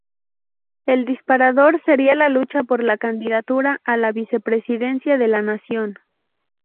El disparador sería la lucha por la candidatura a la vicepresidencia de la nación.